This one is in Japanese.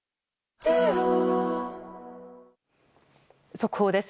速報です。